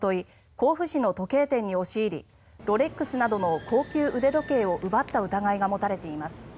甲府市の時計店に押し入りロレックスなどの高級腕時計を奪った疑いが持たれています。